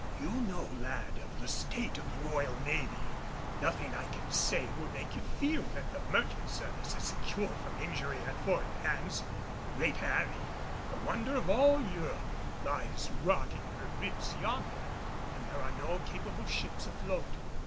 "You know, lad, of the state of the Royal Navy. Nothing I can say will make you feel that the merchant service is secure from injury at foreign hands. Great Harry, the wonder of all Europe, lies rotting her ribs yonder, and there are no capable ships afloat.